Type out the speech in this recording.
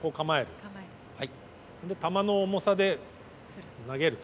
球の重さで投げると。